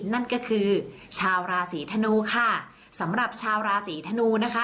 นั่นก็คือชาวราศีธนูค่ะสำหรับชาวราศีธนูนะคะ